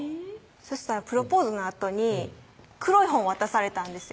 そしたらプロポーズのあとに黒い本渡されたんですよ